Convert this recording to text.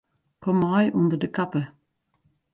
Kom mei ûnder de kappe.